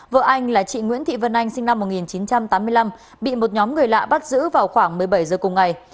vợ anh là chị nguyễn thị vân anh sinh năm một nghìn chín trăm tám mươi năm bị một nhóm người lạ bắt giữ vào khoảng một mươi bảy giờ cùng ngày